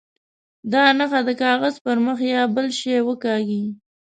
دا نښه د کاغذ پر مخ یا بل شي وکاږي.